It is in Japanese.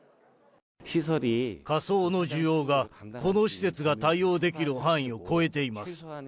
火葬の需要が、この施設が対応できる範囲を超えています。